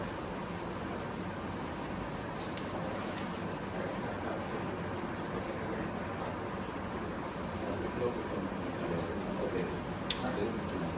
หอคลิปทุกคน